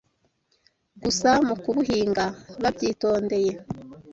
gusa mu kubuhinga babyitondeye